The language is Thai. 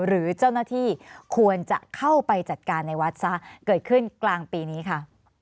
หรือเจ้าหน้าที่ควรจะเข้าไปจัดการในวัดซะเกิดขึ้นกลางปีนี้ค่ะ